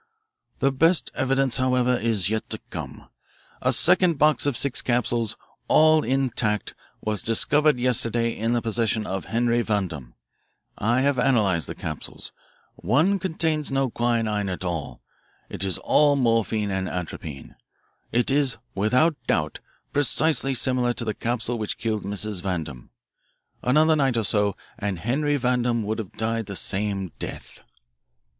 "The best evidence, however, is yet to come. A second box of six capsules, all intact, was discovered yesterday in the possession of Henry Vandam. I have analysed the capsules. One contains no quinine at all it is all morphine and atropine. It is, without doubt, precisely similar to the capsule which killed Mrs. Vandam. Another night or so, and Henry Vandam would have died the same death."